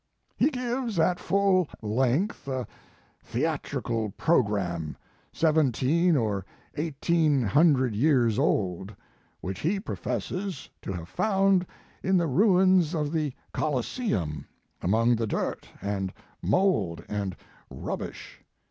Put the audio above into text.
He gives at full length a theatrical programme seventeen or eighteen hundred years old, which he professes to have found in the ruins of the Coliseum among the dirt, and mould and rubbish.